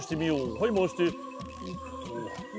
はい回して。